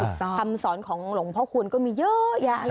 อีกต่อทำสอนของหลงพ่อคุณก็มีเยอะแยะค่ะ